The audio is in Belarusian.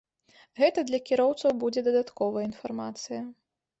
Гэта для кіроўцаў будзе дадатковая інфармацыя.